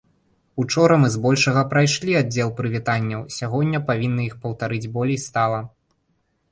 Учора мы збольшага прайшлі аддзел прывітанняў, сягоння павінны іх паўтарыць болей стала.